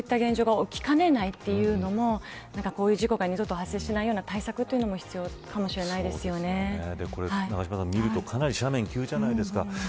こういった現象が起きかねないというのもこういう事故が二度と発生しない対策も必要かも永島さん、かなり斜面急じゃないですか。